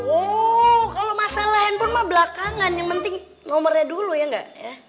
oh kalo masalah handphone mah belakangan yang penting nomernya dulu ya gak